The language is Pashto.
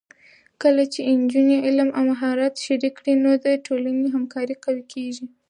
کله چې نجونې علم او مهارت شریک کړي، نو د ټولنې همکاري قوي کېږي.